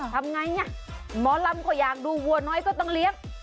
ทำไงหมอลำก็อยากดูวัวน้อยก็ต้องเลี้ยง